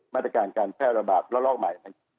มาตรการการแพร่ระบาดระลอกใหม่